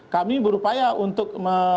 kami berupaya untuk